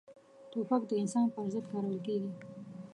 توپک د انسان پر ضد کارول کېږي.